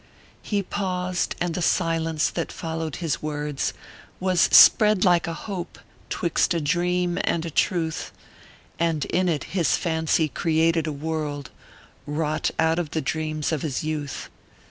He paused ; and the silence that followed his words, Was spread like a Hope, twixt a Dream and a Truth ; And in it, his fancy created a world Wrought out of the dreams of his youth.